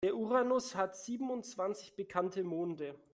Der Uranus hat siebenundzwanzig bekannte Monde.